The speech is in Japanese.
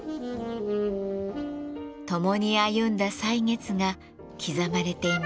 ともに歩んだ歳月が刻まれています。